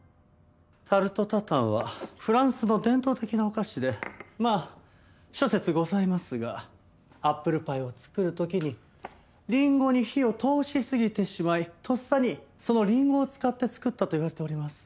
タルトタタンはフランスの伝統的なお菓子でまあ諸説ございますがアップルパイを作る時にリンゴに火を通しすぎてしまいとっさにそのリンゴを使って作ったといわれております。